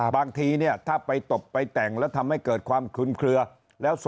บางทีเนี่ยถ้าไปตบไปแต่งแล้วทำให้เกิดความคลุมเคลือ